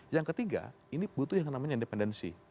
yang ketiga ini butuh yang namanya independensi